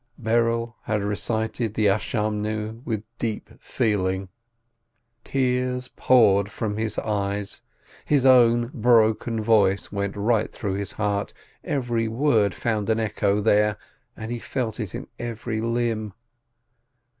Berel had recited the Prayer of Expiation with deep feeling; tears poured from his eyes, his own broken voice went right through his heart, every word found an echo there, and he felt it in every limb.